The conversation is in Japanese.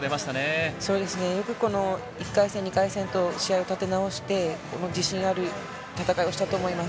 そうですね、よくこの１回戦、２回戦を試合を立て直して、この自信のある戦いをしたと思います。